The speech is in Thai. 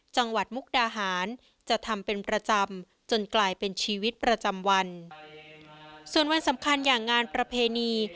มุกดาหารจะทำเป็นประจำจนกลายเป็นชีวิตประจำวันส่วนวันสำคัญอย่างงานประเพณี